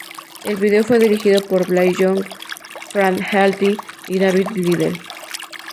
El video fue dirigido por Blair Young, Fran Healy y David Liddell.